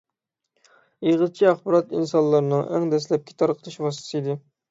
ئېغىزچە ئاخبارات ئىنسانلارنىڭ ئەڭ دەسلەپكى تارقىتىش ۋاسىتىسى ئىدى.